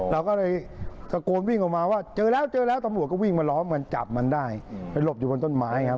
เราก็เลยตะโกนวิ่งออกมาว่าเจอแล้วเจอแล้วตำรวจก็วิ่งมาล้อมมันจับมันได้ไปหลบอยู่บนต้นไม้ครับ